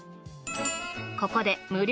ここで無料